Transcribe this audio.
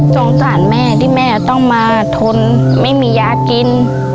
สงสารแม่ที่แม่ต้องมาทนไม่มียากิน